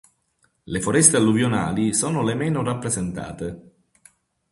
Le foreste alluvionali sono le meno rappresentate.